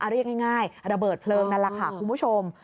เรียกง่ายระเบิดเพลิงนั่นแหละค่ะคุณผู้ชม